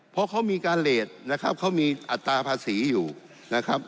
เพราะเขามีการเลสนะครับเขามีอัตราภาษีอยู่นะครับ